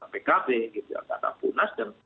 pkb gitu ataupun nasden